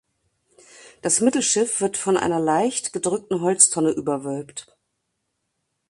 Das Mittelschiff wird von einer leicht gedrückten Holztonne überwölbt.